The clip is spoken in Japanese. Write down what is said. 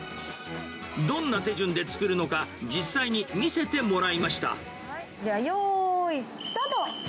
どんな手順で作るのか、実際に見では、よーい、スタート。